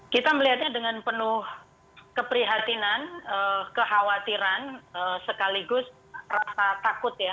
kita melihatnya dengan penuh keprihatinan kekhawatiran sekaligus rasa takut ya